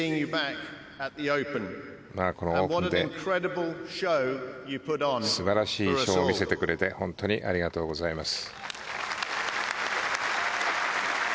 このオープンで素晴らしいショーを見せてくれて本当にありがとうございます。